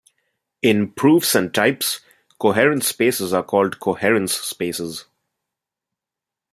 In "Proofs and Types" coherent spaces are called coherence spaces.